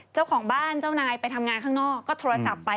เจ้าของบ้านเจ้านายไปทำงานข้างนอกก็โทรศัพท์ไป